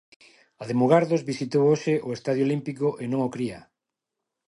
A de Mugardos visitou hoxe o estadio olímpico e non o cría.